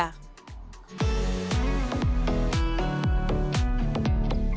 pemerintah memanfaatkan momentum di sisa tahun dua ribu dua puluh